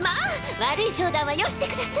悪い冗談はよしてください。